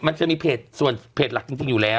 มันก็จะมีเพจหลักจริงอยู่แล้ว